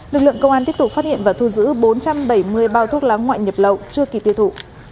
lực lượng công an tiếp tục phát hiện và thu giữ bốn trăm bảy mươi bao thuốc lá ngoại nhập lậu chưa kịp tiêu thụ